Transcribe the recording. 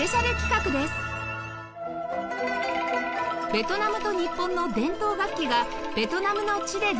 ベトナムと日本の伝統楽器がベトナムの地で出合います